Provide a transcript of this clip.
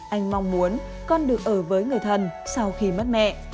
anh mong muốn con được ở với người thân sau khi mất mẹ